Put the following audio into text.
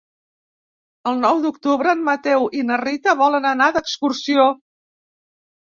El nou d'octubre en Mateu i na Rita volen anar d'excursió.